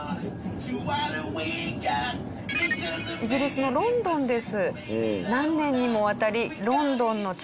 イギリスのロンドンです。